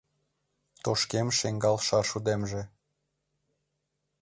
Тошкем шеҥгал шаршудемже